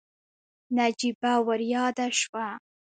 نجيبه ورياده شوه.